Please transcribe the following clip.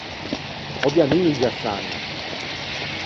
Ò di amixi à Saña.